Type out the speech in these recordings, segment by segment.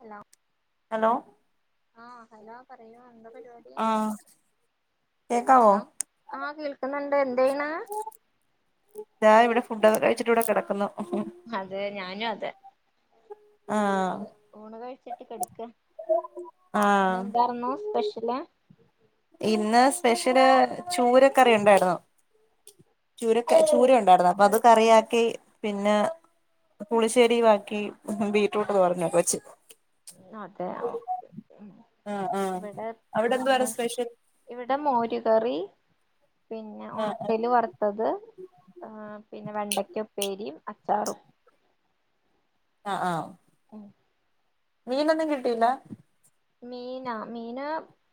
Hello hello ആഹ് hello പറയൂ എന്താ പരിപാടി ആഹ് കേക്കാവോ ഹലോ ആ കേൾക്കുന്നുണ്ട് എന്തേയണ്. ഫുടൊക്കെ കഴിച്ചിട്ട് ഇവിടെ കിടക്കുന്നു അതെ ഞാനും അതെ ആഹ് ഊണ് ഊണ് കഴിച്ചിട്ട് കെടക്ക പിന്നെ ആഹ് എന്താണന്നു. സ്പെഷ്യലാ ഇന്ന് സ്പെഷ്യല് ചൂരക്കറിണ്ടാരുന്നു ചൂരകറി ചൂരണ്ടാരുന്നു അപ്പൊ അത് കറിയാക്കി പിന്നെ പുളിശ്ശേരിയുവാക്കി ബീറ്റ്റൂട്ട് തോരൻ ഒക്കെ വെച്ചു. അതെ ഓക്കെ ആഹ് ആഹ് ഇവിടെ അവിടെ ആഹ് എന്തുവായിരുന്നു സ്പെഷ്യൽ ഇവിടെ മോരുകറി പിന്നെ ആഹ് ഉണക്കൽ ആഹ് വറുത്തത് ആ പിന്നെ വെണ്ടക്ക ഉപ്പേരിയും അച്ചാറും അ ആ ഉം മീനൊന്നും കിട്ടീല്ല മീനാ മീന്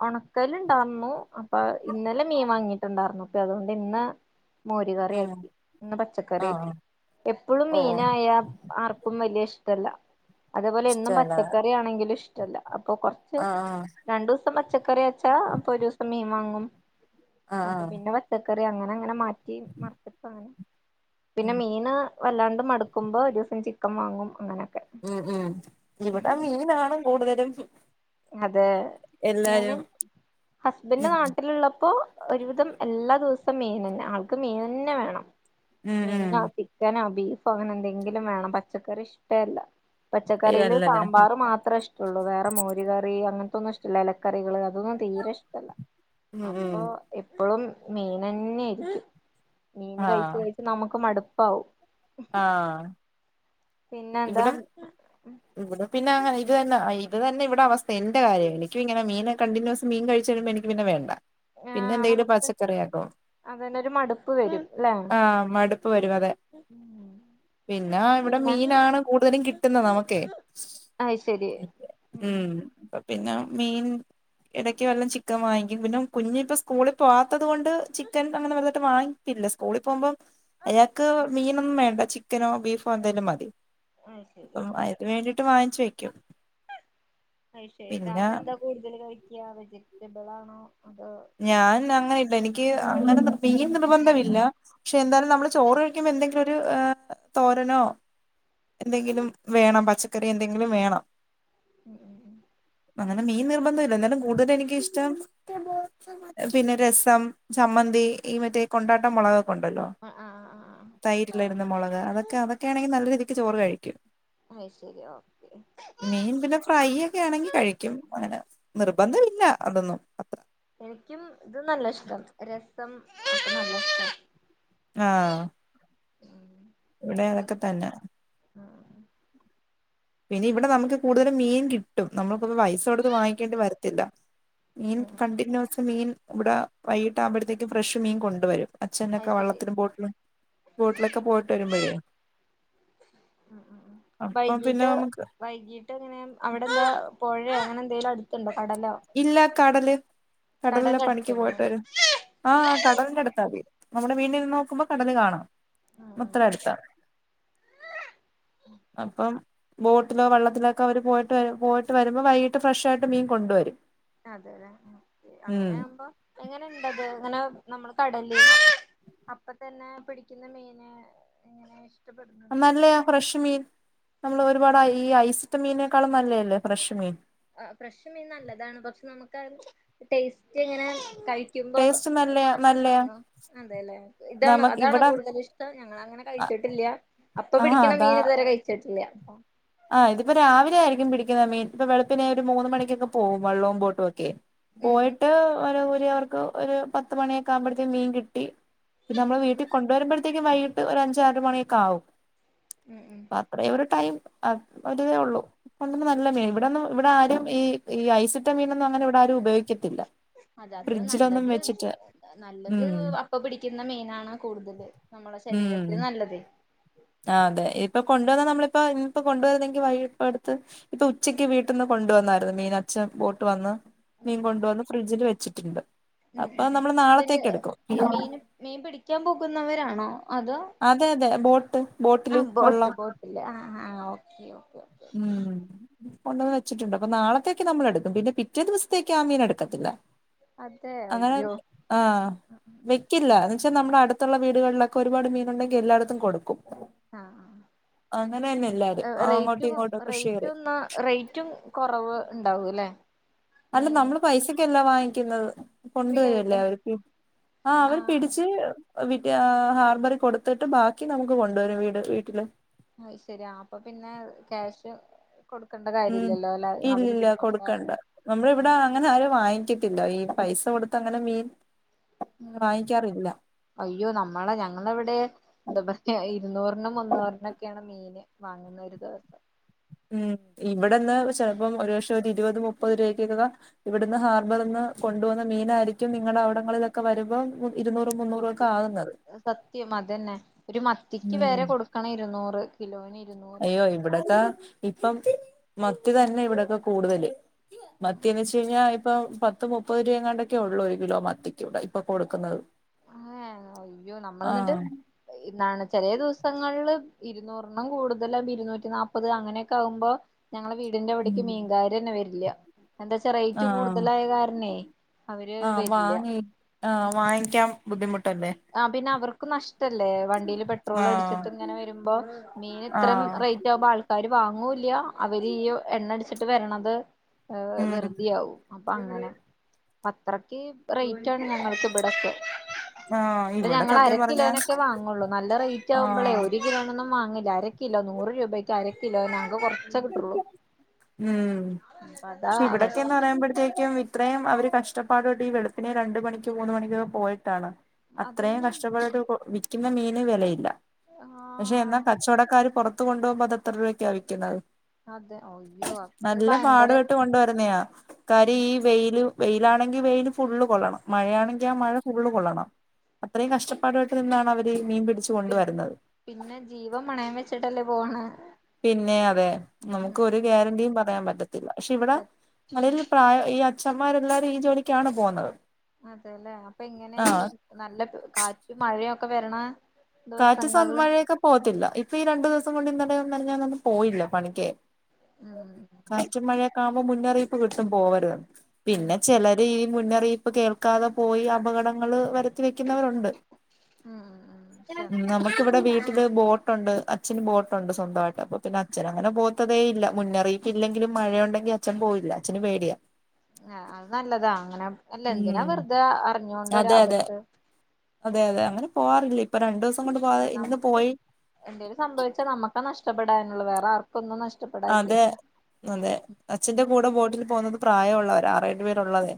ഉണക്കല് ഉണ്ടാര്ന്നു അപ്പൊ ഇന്നലെ മീൻ വാങ്ങിട്ടുണ്ടാര്ന്നു അപ്പ അതുകൊണ്ട് ഇന്ന്. ആഹ് മോരുകറിയാക്കി ഇന്ന് പച്ചക്കറിയാക്കി ആഹ് എപ്പോഴും ഓഹ് മീനായ ആർക്കും വലിയ ഇഷ് ഇഷ്ടല്ല അതേപോലെ എന്നും ഇഷ്ടല്ല പച്ചക്കറി ആണെങ്കിലു ഇഷ് ഷ്ട്ടല്ല അപ്പ് ഇപ്പൊ കൊറച്ച് ആഹ് ആഹ് രണ്ടു ദൂസ് സം പച്ചക്കറി വെച്ചാ അപ്പൊ ഒരൂസം മീൻ വാങ്ങും ആഹ് അപ്പൊ ആഹ് പിന്നെ പച്ചക്ക ക്കറി അങ്ങനെ ങ്ങനെ മാറ്റി [unintelligible] അങ്ങനെ പിന്നെ ഉം മീണ് വല്ലാണ്ട് മടുക്കുമ്പോ ഒരു സം ചിക്കൻ വാങ്ങും അങ്ങനെ. ഉം ഉം ഇവിടെ മീനാണ് കൂടുതലും. അതെ. എല്ലാരും ഞാന് ഹസ്ബന്റ് ഉം നാട്ടിലുള്ളപ്പോ ഒരുവിധം എല്ലാ ദിവസം മീൻ തന്നെ ആൾക്ക് മീൻ തന്നെ വേണം. ഉം ഉം മീനാ ചിക്കനോ ബീ ഇപ്പ അങ്ങനെ എന്തെങ്കിലും വേണം പച്ചക്കറി ഇഷ്‌ട്ടെ അല്ല. പച്ചക്കറിയില് അയ്യല്ലല്ലേ സാമ്പാർ മാത്രേ ഇഷ്ടള്ളു വേറെ മോ അങ്ങനത്തൊന്നും ഇഷ്ടല്ല ഇലക്കറികള് അതൊന്നും തീരെ ഇഷ്ടല്ല. ഉം ഉം അപ്പൊ എപ്പളും മീനന്നെ ആയിരിക്കും. മീന് കഴിച്ച് ആഹ് കഴിച്ച് നമുക്ക് മടു പ്പാവും. ആഹ്. പിന്നെ എന്താ ഇവിടം ഇവിടെ പിന്നെ അയിത് തന്ന അ ത് തന്നെ ഇവിടെ അവസ്ഥ എന്റെ കാര്യം എനിക്കു ഇങ്ങനെ മീന് കണ്ടിന്യൂസ് മീൻ കഴിച്ചുഴിയുമ്പോ എനിക്ക് പിന്നെ വേണ്ട. പിന്നെ ആഹ് എന്തെങ്കിലും നമുക്ക് പച്ചക്കറിയാക്കും അതന്നെ ഒരു മടുപ്പ് വരും ല്ലേ ഉം ആഹ് മടുപ്പ് വരും അതെ പിന്നെ ആണ് കൂടുതലും കിട്ടുന്ന നമുക്കെ അയ്ശരി ഉം. പിന്നെ മീൻ എടക്ക് വല്ലം ചിക്കൻ വാങ്ങിക്കും പിന്നെ കുഞ്ഞിപ്പ സ്കൂളിൽ പോവാത്തത് കൊണ്ട് ചിക്കൻ അങ്ങനെ വലുതായിട്ട് വാങ്ങിപ്പില്ല സ്കൂളിൽ പോകുമ്പോം അയാക്ക് ഉം മീനൊന്നും വേണ്ട ചി ക്കനോ ബീഫോ എന്തേലും മതി അത് ശരി അപ്പം അയിന് വേണ്ടിട്ട് വാങ്ങിച്ച് വെക്കും പിന്നെ ക്കാ വെജിറ്റബിളാണോ ഞാൻ അങ്ങനെ ഇല്ല എനി ക്ക് അങ്ങനെ മീൻ നിർബന്ധമില്ല ക്ഷെ എന്താലും നമ്മള് ചോറ് കഴിക്കുമ്പോ എന്തെങ്കിലും ഒരു ഏഹ് തോരനോ എന്തെങ്കിലും വേണം പച്ചക്കറി എന്തെങ്കിലും വേണം ഉം ഉം ഉം അങ്ങനെ മീൻ നിർ ബന്ധം ഇല്ല ന്നാലും കൂടുതല് എനിക്കിഷ്ടം പിന്നെ രസം, ചമ്മന്തി ഈ മറ്റേ കൊണ്ടാട്ടം മുളകൊ ക്കൊണ്ടല്ലോ ആഹ് ആഹ് തൈരിലിടണ ആഹ് മൊളക് അതൊക്കെ അതൊക്കെ ആണെങ്കി നല്ല രീതി ക്ക്‌ ചോറ് കഴിക്കും. അയ്ശരി ഓക്കെ ആണെങ്കി കഴിക്കും അങ്ങനെ നിർബന്ധമില്ല അതൊന്നും അത്ര എനിക്കും ഇതൊന്നല്ല ഇഷ്ട്ടം രസം ഒക്ക നല്ല ഇഷ്ട്ടാ ആ ഇവിടേം അതൊക്കെ തന്നെ. ങാ പിന്നെ ഇവിടെ നമുക്ക് കൂടുതലും മീൻ കിട്ടും. നമ്മളിപ്പത് പൈസോടുത്ത് വാങ്ങിക്കേണ്ടി വരത്തില്ല. മീൻ ഉം കണ്ടിന്യൂ മീൻ ഇബടെ വൈകിട്ട് ആമ്പടത്തേക്ക് ഫ്രഷ് മീൻ കൊണ്ടുവരും. അത് അച്ഛനൊക്കെ ശരി വെള്ളത്തിലും ബോട്ടിലും ബോട്ടിലൊക്കെ പോയിട്ട് വരുമ്പഴേ ഉം ഉം ഉം ബൈക് പിന്നെ ട്ട് നമുക്ക് വൈകിട്ട് എങ്ങനെ അവിടെന്താ? പൊഴേ അങ്ങനെ എന്തേ ലും അടുത്ത്ണ്ടോ? ഇല്ല കടല് കടൽ കടൽല് പണിക്ക് അടുത്തുണ്ടോ പോയിട്ട് വരും. ആ കടലിന്റെ അടുത്താ വീട്. നമ്മുടെ വീടില് നിന്ന് നോക്കുമ്പോ കടല് കാണാം. ഉം ഉം മത്ര അടുത്ത അപ്പം ബോട്ടിലോ വള്ളത്തിലോക്കെ അവര് പോയിട്ട് പോയിട്ട് വരുമ്പോ വൈകിട്ട് ഫ്രഷായിട്ട് മീൻ കൊണ്ടുവരും. അതെ അതെ ഉം അങ്ങനെയാകുമ്പോ എങ്ങനെ ഇണ്ടത്? അങ്ങനെ നമ്മള് കടൽല് അപ്പ തന്നെ പിടിക്കുന്ന മീന് എങ്ങനെ? നല്ലയാ ഫ്രഷ് മീൻ നമ്മള് ഒരുപാട് ഈ ഐസിട്ട മീനേക്കാളും നല്ലയല്ലേ ഫ്രഷ് മീൻ ആ ഫ്രഷ് മീൻ നല്ലതാണ്. പക്ഷെ നമ്മക്കത് ടേസ്റ്റ് എങ്ങനെ? ടേസ്റ്റ് നല്ലയാ നല്ലയാ നമുക്ക് ഇവിടെ [unintelligible] ഇല്ലാ അപ്പോ ആ ഇതിപ്പോ രാവിലെ ആയിരിക്കും പിടിക്കുന്ന മീൻ ഇപ്പോ വെളുപ്പിന് ഒരു മൂന്ന് മണിക്കൊക്കെ പോകും വള്ളോം ബോട്ടും ഒക്കെയ് ഉം പോയിട്ട് ഓര ഊ അവർക്ക് ഒരു പത്ത് മണിയൊക്കെ ആവുമ്പടത്തേ മീൻ കിട്ടി ഉം പിന്നമ്മള് വീട്ടി കൊണ്ടുവരുമ്പട് ത്തേക്കും വൈയീട്ട് ഒരു അഞ്ചാറ് മണിയൊക്കെ ആവും. ഉം ഉം പ്പ അത്രേം ഒരു ടൈം അ ഒരിതേ ഉള്ളൂ ഇപ്പ തന്നെ നല്ല മീൻ ഇവിടെന്ന് ഇവിടെ ആരും ഈ ഈ ഐസിട്ട മീനൊന്നും അങ്ങനെ ഇവിടെ ആരും ഉപയോഗിക്കത്തില്ല അതത് ഫ്രിഡ്ജിലൊന്നും നല്ലത് വെച്ചിട്ട് നല്ലത് ഉം അപ്പ പിടിക്കുന്ന മീനാണ് കൂടുതല് നമ്മള ശരീരത്തിന് നല്ലതേ ആഹ് അതെ ഇപ്പ കൊണ്ടുവന്ന നമ്മളിപ്പോ ഇപ്പോ കൊണ്ടുവരുന്നെങ്കി വൈ ഇപ്പടുത്ത് ഇപ്പൊ ഉച്ചക്ക് വീട്ടിൽന്ന് കൊണ്ട് വന്നായിരുന്നു മീൻ അച്ഛൻ ബോട്ട് വന്ന് ഉം മീൻ കൊണ്ടുവന്ന് ഫ്രിഡ്ജില് വെ ച്ചിട്ടുണ്ട് ഉം ഉം അവര് മീന് മീൻ പിടിക്കാൻ പോകുന്നവരാണോ അതോ അതെ അതെ ബോട്ട് ബോട്ടില് ആഹ് വെള്ളം ബോട്ട് ബോട്ടില്ല ആഹ് ആഹ് ഓക്കെ ഓക്കെ കൊണ്ടന്ന് വെച്ചിട്ടുണ്ട് അപ്പ നാളത്തേക്ക് നമ്മളെടുക്കും പിന്നെ പിറ്റേ ദിവസത്തേക്ക് ആഹ് മീൻ എടുക്കത്തില്ല അതെ അങ്ങനെ അയ്യോ ആഹ് വെക്കില്ല പക്ഷെ നമ്മുടെ അടുത്തുള്ള വീടുകളിലൊക്കെ ഒരു പാട് മീനുണ്ടെങ്കി എല്ലായിടത്തും കൊടുക്കും ആഹ് അങ്ങനെ തന്നെ എല്ലാരും ആഹ് ഏഹ് അങ്ങോട്ടും റേറ്റും ഇങ്ങോട്ടും ഒക്കെ ഷെയർ റേറ്റുംന്ന റെയ്റ്റും കുറവ് ഇണ്ടാവൂ ല്ലെ അല്ല നമ്മള് പൈസക്ക അല്ല വാ കിന്നത് ഫ്രീ കൊണ്ടുവരുവല്ലേ ആയിട്ട് അവർക്ക് ആഹ് ആ അവർ പിടിച്ച് വിറ്റ് ആഹ് ഹാർബറി കൊടുത്തിട്ട് ബാക്കി നമുക്ക് കൊണ്ടര വീട് വീട്ടില് അയ് ശരിയാ അപ്പൊ പിന്നെ ക്യാഷ് കൊടുക്കേണ്ട ഉം കാര്യല്ലല്ലോ അല്ലെ അവര് ഇല്ല പിടിക്കുന്ന കൊടുക്കണ്ട കാരണം നമ്മള ആ ഇവിടെ അങ്ങനെ ആരാ വാങ്ങിക ത്തില്ല ഈ പൈസ കൊടുത്ത് അങ്ങനെ മീൻ അങ്ങനെ ഉം വാങ്ങിക്കാറില്ല അയ്യോ നമ്മളെ ഞങ്ങടെ ഇവിടെ പറയാ ഇരുന്നൂറിനും മുന്നൂറിനൊക്കെയാണ് മീൻ വാങ്ങുന്ന ഒരു ദിവസം ഉം ഇവിടെന്ന് ചിലപ്പോം ഒരു പക്ഷെ ഒരു ഇരുപത് മുപ്പത് രൂപക്ക ഇവിടുന്ന് ഹാർബർന്ന് കൊണ്ടു വന്ന മീനായിയിരിക്കും നിങ്ങളുടെ അവിടങ്ങളിലൊക്കെ വരുമ്പോ ഇരുന്നൂറും മുന്നൂറും ഒക്കെ ആകുന്നത് സത്യം അതന്നെ ഒരു മത്തിക്ക് ഉം വേരെ കൊടുക്കണം ഇരുന്നൂറ് കിലൊന്ന് അയ്യോ ഇവടതാ ഇപ്പം മത്തി തന്നെ ഇവടൊക്കെ കൂടുതല് ഉം മത്തിയെന്ന് ഉം വെച്ച് കഴിഞ്ഞാ ഇപ്പം പത്ത് മുപ്പത് രൂപയാണ്ടൊക്കെയുള്ളൂ ഒരു കിലോ മത്തിക്ക് ഇവടെ ഇപ്പം കൊടുക്കുന്നത് ങേ അയ്യോ നമ്മള്ന്ന്ട്ട് ആഹ് ഇന്നാണ് ചെലേ ദിവസങ്ങള്ല് ഇരുന്നൂറ്ണ്ണും കൂടുതലാ ഇരുന്നൂറ്റി നാപത് അങ്ങനെയൊക്കെ ആവുമ്പോ ഞങ്ങളെ വീടിന്റെ അവിടേക്ക് ഉം മീൻക്കാരന്നെ വരില്ല എന്താച്ചാ റൈയിറ്റ് ആഹ് കൂടുതലായ കാരണേ അവര് ആഹ് വരില്ല വാങ്ങി ആഹ് വാങ്ങിക്കാം ബുദ്ധിമു ആഹ് പിന്നെ അവർ ക്കും നഷ് ടല്ലേ വണ്ടീല് ആഹ് പെട്രോളടിച്ചിട്ട് ഇങ്ങനെ വരുമ്പോ മീൻ ഇത്രെം ആഹ് റേറ്റ് ആവുമ്പൊ ആൾക്കാരും വാങ്ങൂല്ല അവര് ഈയു എണ്ണ അട്ച്ചിട്ട് വരണത് ഉം വെറ്തിയാവും. അപ്പ അങ്ങനെ. അപ്പത്രക്ക് റേറ്റ് ആണ് ഞങ്ങൾക്ക് ഇബെട്യൊക്കെ. ആഹ് ഇപ്പ ഇവിടെ ഞങ്ങള അര സത്യം പറഞ്ഞ കിലോനൊക്കെ വാങ്ങോള്ളൂ നല്ല റേറ്റ് ആവുമ്പളേ ആഹ് ഒരു കിലോനൊന്നും വാങ്ങ ല്ല അര കിലോ നൂറ് രൂപയ്ക്ക് അര കിലോനാ ഉം അപ്പ അതാ പക്ഷെ അവസ്ഥ ഇവിടൊക്കെന്ന് പറയുമ്പഴ്ത്തേക്കും ഇത്രയും അവര് കഷ് ഷ്ട്ടപ്പാട് പ്പെട്ട് ഈ വെളുപ്പിനെ രണ്ട് മണിക്ക് മൂന്ന് മണിക്കൊക്കെ പോയിട്ടാണ്. അത്രയും അതന്നെ കഷ്ടപ്പെട്ട്ട്ട് ക്ക്ന്ന മീന് വെലയില്ല. പക്ഷെ എന്നാ ആ കച്ചവടക്കാര് പുറ ത്ത് കൊണ്ട്പോവുമ്പ അതെത്ര രൂപക്കാ വിയ്ക്കുന്നത്. അതെ അയ്യോ അത് നല്ല ഭയങ്കര പാടുപെട്ട് കൊണ്ടുവരുന്നയാ ഉം കാര്യം ഈ വെയില് വെയിലാണെങ്കി വെയിൽ ഫുള്ള് കൊള്ളണം. ഉം മഴയാണെങ്കി ആ മഴ ഫു ള്ളും കൊള്ളണം. അത്രയും കഷ്ടപ്പാട് പെട്ട് നിന്നാണവരീ മീൻ പിടിച്ചു പി കൊണ്ടുവരുന്നത് പിന്നെ ജീവൻ പണയം വെച്ചിട്ടല്ലേ പോണ്. പിന്നെ അതെ നമുക്ക് ഒരു ഗ്യാരണ്ടിയും പറയാൻ പറ്റത്തില്ല പക്ഷെ ഇവിടെ [unintelligible] പ്രായം ഇയാ അച്ഛന്മാരെല്ലാരും ഈ ജോലിക്കാണ് പോകുന്നത്. അതെല്ലേ അപ്പൊ ഇങ്ങനെ ഈ ആഹ് നല്ല കാ മഴയൊക്കെ വെര്ണെ കാറ്റ് സ മഴയൊക്കെ പോവത്തില്ല ഇപ്പ ഈ രണ്ട് ദിവ്സം കൊണ്ട് ഇന്ന് [unintelligible] വന്നാലും ഞാന് അന്ന് പോയില്ല പണിക്ക്. ഉം കാറ്റും മഴെ ഒക്കെ ആകു മ്പം മുന്ന് അറീപ്പ് കിട്ടും പോവെര്ത് എന്ന് പിന്നെ ഉം ചെലെര് ഈ മുന്ന് അറീപ്പ് കേൾക്കാതെ പോയി അപകടങ്ങെൾ വര്ത്തി വെക്കിന്നവര് ഉണ്ട്. ഉം ഉം നമുക്ക് ഇവെടെ വീ ട്ടിൽ ബോട്ട് ഉണ്ട് അച്ഛെന് ബോട്ട് ഒണ്ട് സ്വന്തവായിട്ട് അപ്പൊ പിന്നെ അച്ഛൻ അങ്ങനെ പോത്തതെ ഇല്ല മുന്നറിയിപ്പില്ലെങ്കിലും മഴയുണ്ടെങ്കി അച്ഛൻ പോവില്ല അച്ഛന് പേടിയാ ആ അത് നല്ലതാ അങ്ങന അല്ല എന്തിനാ ഉം വെറുതെ ആ അറിഞ്ഞോണ്ട് അതെ അതെ ഒരാപത്ത് അതെ അതെ അങ്ങനെ പോവാറില്ല ഇപ്പ രണ്ടുസ് നമുക്ക് എന്തേലും സംഭവിച്ചാൽ നമ്മക്ക നഷ്ടപ്പെടാനുള്ളു വേറെ ആർ ഒന്നും നഷ് അതെ അതെ അച്ഛന്റെ കൂടെ ബോട്ടിൽ പോകുന്നതും പ്രായൊള്ളവരാ ആറെഴു പേര് ഒള്ളതെ.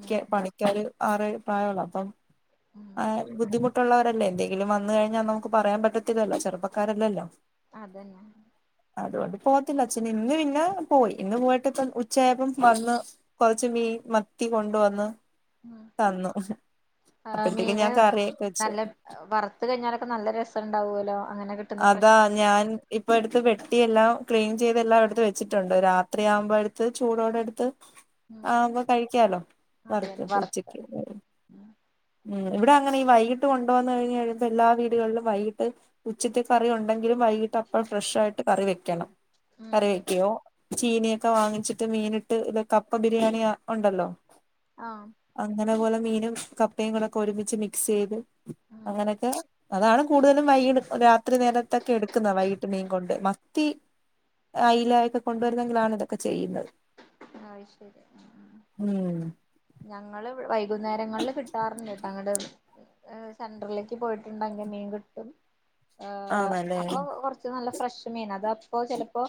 ഉം പണിക്കാര് ആറെഴ് പ്രായൊള്ള അപ്പം ഉം ആ ബുദ്ധിമു ട്ടോള്ളവരല്ലേ എന്തെങ്കിലും വന്ന് കഴിഞ്ഞാൽ നമുക്ക് പറയാൻ പറ്റത്തില്ലലോ ചെറുപ്പക്കാരല്ലലോ. അതന്നെ അതുകൊണ്ട് പോവാത്തില്ല അച്ഛന് ഇന്ന് പിന്നെ പോയി, ഇന്ന് പോയിട്ട്പ്പം ഉച്ചയായപ്പം വന്ന് കൊറച്ച് മീൻ മത്തി കൊണ്ടുവന്ന് തന്നു ആ അപ്പോഴത്തേക്ക് മീന് ഞാൻ കറിയൊക്കെ വെച്ച് നല്ല വറുത്ത കഴിഞ്ഞാലൊക്കെ നല്ല രസോണ് ണ്ടാവുലോ. അതാ ഞാൻ ഇപ് ഇപ്പ എട് അത് വെട്ടിയെല്ലാം ക്ലീൻ ചെയ്തെല്ലാം എടുത്ത് വെച്ചിട്ടുണ്ട്, രാത്രിയാവുമ്പോ എടുത്ത് ചൂടോടെ എടുത്ത് ഉം ആവുമ്പോ കഴിക്കാലോ വറുത്ത് അതന്നെ ഇപ്പ വറുത്ത ഉച്ചക്ക് ഉം ഇവിടെ അങ്ങനെ ഈ വൈകിട്ട് കൊണ്ടുവന്നു കഴിഞ്ഞ് കഴിയുമ്പോ എല്ലാ വീടുകളിലും വൈകിട്ട് ഉച്ചത്തെ കറി ഉണ്ടെങ്കിലും വൈകിട്ട് അപ്പോൾ ഫ്രഷ് ആയിട്ട് കറി വെക്കണം. ഉം കറി ഉം വെക്കോ? ചീനിയൊക്കെ വാങ്ങിച്ചിട്ട് മീനിട്ട് ഇത് കപ്പ ബിരിയാണി ആ ഒണ്ടല്ലോ. ആം അതെ പോലെ മീനും കപ് പ്പയും കൂടെ ഒക്കെ ഒരുമിച്ച് മിക്സ് ചെയ്ത് ഉം അങ്ങനൊക്കെ അതാണ് കൂടുതലും വൈകി രാത്രി നേരത്തൊക്കെ എടുക്കുന്ന വൈകിട്ട് മീൻ കൊണ്ട് മത്തി, അയില ഇക്കെ കൊണ്ടുവരുന്നെങ്കിലാണ് ഇതൊക്കെ ചെയ്യുന്നത്. ആയി ശെരി ഞങ്ങള് ഇവ് [unintelligible] വൈകുന്നേരങ്ങളിൽ കിട്ടാറുണ്ട്ട്ടാ അങ്ങട്‌ ഏ സെന്ററിലേക്ക് പോയിട്ടുണ്ടെങ്കിൽ മീൻ കിട്ടും. ഏ ആണല്ലേ അപ്പോ കൊറച്ച് നല്ല ഫ്രഷ് മീൻ അതപ് അപ്പോ ചെലപ്പോ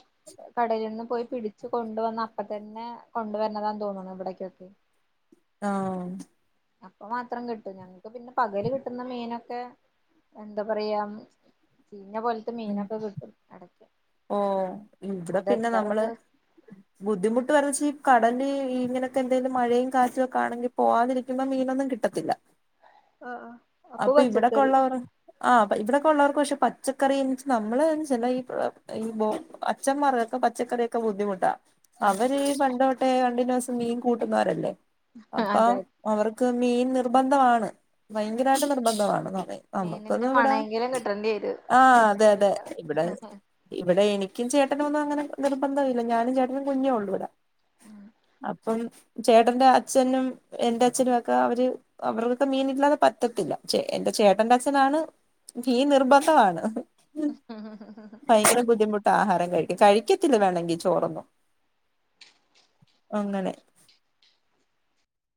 കടൽ നിന്ന് പോയി പിടിച്ചു കൊണ്ടുവന്ന അപ്പ തന്നെ കൊണ്ടുവരണതാന്ന് തോന്നുന്നു ഇവിടേക്കൊക്കെ. ആഹ് അപ്പം മാത്രം കിട്ടും ഞങ്ങ ക്കെ പിന്നെ പകെൽ കിട്ടുന്ന മീനൊ ക്കെ എന്താ പറയാ ചി ഞ്ഞ പോൽത്തെ മീനൊക്കെ കിട്ടും അടെക്ക് ഓ ഇവ്ടെ പിന്നെ നമ്മള് ബുദ്ധിമുട്ട് വരാച്ച ഈ കടല് ഇങ്ങനക്കെ എന്തെലും മഴയും കാറ്റും ഒക്കെ ആണെങ്കി പോവാതിരിക്കുമ്പ മീനൊന്നും കിട്ടത്തില്ല ആഹ് അപ്പൊ അപ്പ ഇവ്ടൊക്കെ പച്ചക്കറി ഒള്ളവെർ ആഹ് ഇപ്പ ഇവ്ടൊക്കെ ഉള്ളവെർക്ക് പക്ഷെ പച്ചക്കറി നമ്മെൾ ചെല ഈ പ്രൊ ഈ ബോ അച്ചന്മാർക്കൊക്കെ പച്ചക്കറിയൊക്കെ ബുദ്ധിമുട്ടാ ഉം അവര് ഈ പണ്ട് തൊ ട്ടെ കണ്ടിന്യൂസ് ‌ മീൻ കൂട്ടുന്നോര് അല്ലെ? അപ്പം അതെ അവർക്ക് മീൻ നിർ നിർബന്ധവാണ് സ്ഥിരായിട്ട് നിർബന്ധവാണ് ന മീനിന്റെ നമുക്കൊന്നും ഇവടെ മണെങ്കിലും കിട്ടേണ്ടി വരും ആഹ് അതെ അതെ ഇവിടെ ഇവിടെ എനിക്കും ചേ ട്ടനൊന്നും അങ്ങനെ നിർബന്ധവില്ല ഞാനും ചേട്ടനും കുഞ്ഞു ഒള്ളൂ ഇവടെ അപ്പം ചേട്ടന്റെ അച്ഛനും എന്റെ അച്ഛനും ഒക്കെ അവര് അവർക്കൊക്കെ മീനില്ലാതെ പ റ്റത്തില്ല ചേ എന്റെ ചേട്ടന്റെ അച്ഛനാണ് മീൻ നിർബന്ധവാണ്. ഉം ഭയങ്കര ബുദ്ധിമുട്ട ആഹാരം കഴി കഴിക്കത്തില്ല വേണ്ടെങ്കി ചോറന്നും അങ്ങനെ